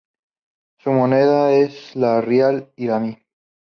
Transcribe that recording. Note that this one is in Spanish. Su moneda es el rial iraní.